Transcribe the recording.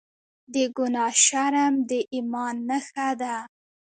د ګناه شرم د ایمان نښه ده.